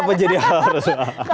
kenapa jadi harus